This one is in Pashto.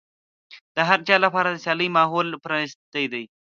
د هر چا لپاره د سيالۍ ماحول پرانيستی وي.